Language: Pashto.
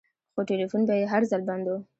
خو ټېلفون به يې هر ځل بند و.